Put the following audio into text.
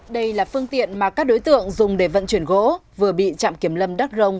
đây là phương tiện mà các đối tượng dùng để vận chuyển gỗ vừa bị trạm kiểm lâm đắk rông